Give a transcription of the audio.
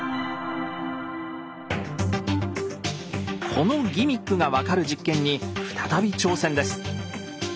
このギミックが分かる実験に再び挑戦です。